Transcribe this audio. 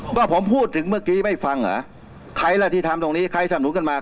ก็ผมพูดถึงเมื่อกี้ไม่ฟังเหรอใครล่ะที่ทำตรงนี้ใครสนุนกันมา